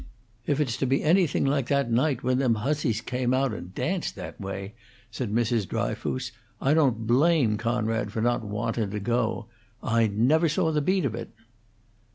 "If it's to be anything like that night when them hussies come out and danced that way," said Mrs. Dryfoos, "I don't blame Coonrod for not wantun' to go. I never saw the beat of it."